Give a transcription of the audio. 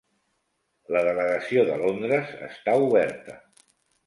La delegació de Londres està oberta